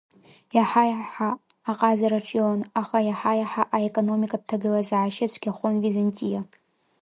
Иаҳа-иаҳа аҟазара ҿион, аха иаҳа-иаҳа аекономикатә ҭагылазаашьа цәгьахон Византиа.